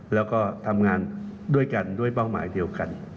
แล้วก็ทำงานด้วยกันด้วยเป้าหมายเดียวกัน